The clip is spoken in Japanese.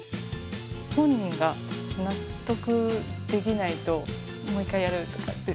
本人が納得できないと、もう一回やるとか言って。